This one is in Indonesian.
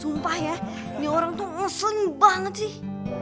sumpah ya ini orang tuh ngeseling banget sih